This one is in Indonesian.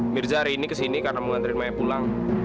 mirza hari ini kesini karena mau nganterin mbak dewi pulang